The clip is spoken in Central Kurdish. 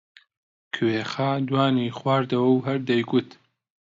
کوێخا دوانی خواردەوە و هەر دەیگوت: